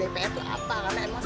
perusahaan yang mencari makanan